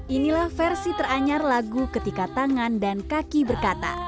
inilah versi teranyar lagu ketika tangan dan kaki berkata